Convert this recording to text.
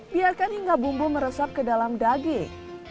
biarkan hingga bumbu meresap ke dalam daging